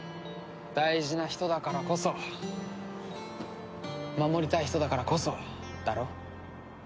大事な人だからこそ守りたい人だからこそだろ？